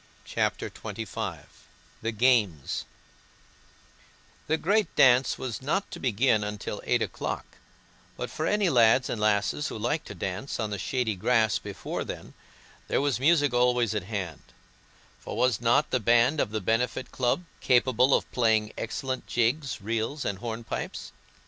Chapter XXV The Games The great dance was not to begin until eight o'clock, but for any lads and lasses who liked to dance on the shady grass before then, there was music always at hand—for was not the band of the Benefit Club capable of playing excellent jigs, reels, and hornpipes?